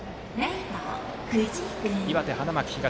岩手、花巻東。